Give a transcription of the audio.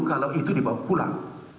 kalau itu dibawa pulang